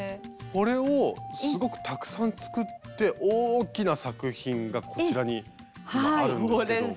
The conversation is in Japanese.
これをすごくたくさん作って大きな作品がこちらに今あるんですけども。